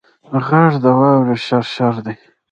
غږ د واورې شرشر دی